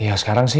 ya sekarang sih